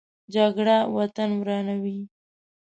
جګړه وطن ورانوي